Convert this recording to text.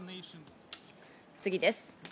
次です。